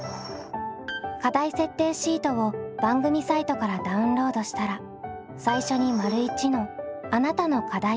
課題設定シートを番組サイトからダウンロードしたら最初に①の「あなたの課題」を記入します。